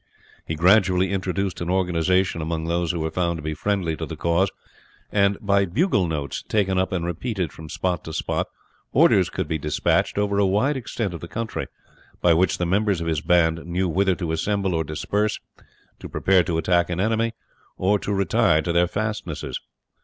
He gradually introduced an organization among those who were found to be friendly to the cause, and by bugle notes taken up and repeated from spot to spot orders could be despatched over a wide extent of country, by which the members of his band knew whether to assemble or disperse, to prepare to attack an enemy, or to retire to their fastnesses.